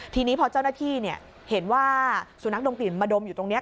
ทีนี้พอเจ้าหน้าที่เห็นว่าสุนัขดมกลิ่นมาดมอยู่ตรงนี้